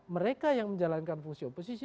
mereka yang menjalankan fungsi oposisi